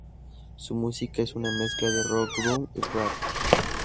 Su música es una Mezcla de Rock, Grunge y Rap.